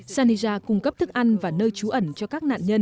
sanija cung cấp thức ăn và nơi trú ẩn cho các nạn nhân